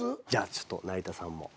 ちょっと成田さんも。